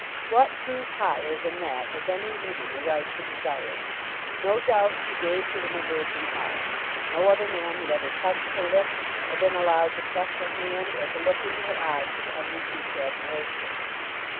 What truth higher than that has any woman a right to desire? No doubt she gave to him a virgin heart. No other man had ever touched her lips, or been allowed to press her hand, or to look into her eyes with unrebuked admiration.